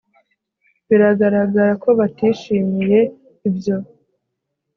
Biragaragara ko batishimiye ibyo